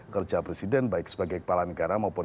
kerja presiden baik sebagai kepala negara maupun